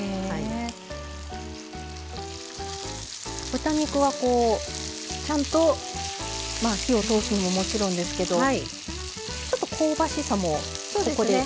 豚肉はこうちゃんと火を通すのももちろんですけどちょっと香ばしさもここで。